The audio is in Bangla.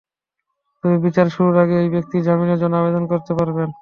তবে বিচার শুরুর আগে ওই ব্যক্তি জামিনের জন্য আবেদন করতে পারবেন।